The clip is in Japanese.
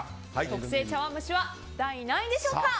特製茶碗蒸しは第何位でしょうか。